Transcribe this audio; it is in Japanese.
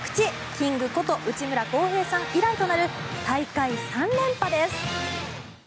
キングこと内村航平さん以来となる大会３連覇です。